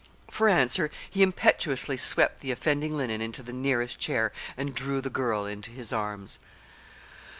For answer he impetuously swept the offending linen into the nearest chair and drew the girl into his arms.